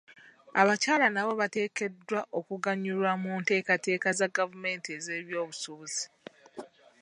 Abakyala nabo bateekeddwa okuganyulwa mu nteekateeka za gavumenti ez'ebyobusuubuzi.